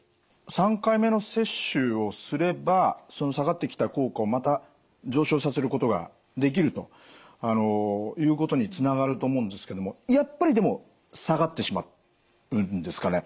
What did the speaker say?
３回目の接種をすれば下がってきた効果をまた上昇させることができるということにつながると思うんですけどもやっぱりでも下がってしまうんですかね？